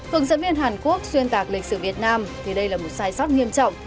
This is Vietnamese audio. hướng dẫn viên hàn quốc xuyên tạc lịch sử việt nam thì đây là một sai sót nghiêm trọng